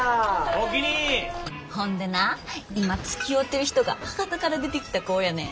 ほんでな今つきおうてる人が博多から出てきた子やねん。